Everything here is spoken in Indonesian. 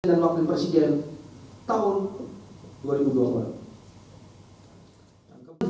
dan wakil presiden tahun dua ribu dua puluh empat